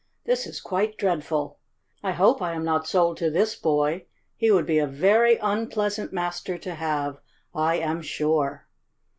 "This is quite dreadful! I hope I am not sold to this boy! He would be a very unpleasant master to have, I am sure!"